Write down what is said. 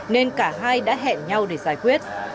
nên cả hai đã hẹn nhau để giải quyết